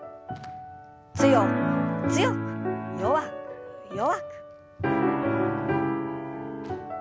強く強く弱く弱く。